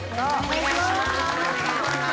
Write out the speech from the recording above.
お願いします